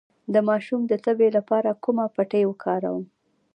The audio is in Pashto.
د ماشوم د تبې لپاره کومه پټۍ وکاروم؟